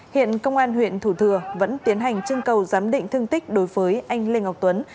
hiện công an huyện thủ thừa vẫn tiến hành trưng cầu giám định thương tích đối với anh lê ngọc tuấn